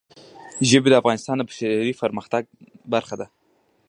ژبې د افغانستان د بشري فرهنګ برخه ده.